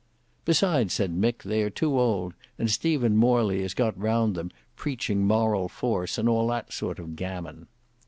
"Besides," said Mick, "they are too old; and Stephen Morley has got round them, preaching moral force and all that sort of gammon."